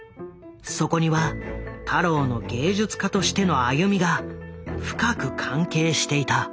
そこには太郎の芸術家としての歩みが深く関係していた。